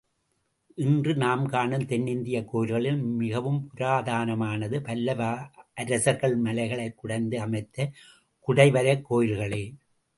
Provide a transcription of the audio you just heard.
இன்று நாம் காணும் தென்னிந்தியக் கோயில்களில் மிகவும் புராதனமானது, பல்லவ அரசர்கள் மலைகளைக் குடைந்து அமைத்த குடைவரைக் கோயில்களே.